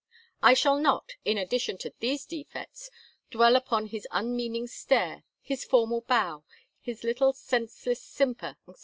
I shall not, in addition to these defects, dwell upon his unmeaning stare, his formal bow, his little senseless simper, etc.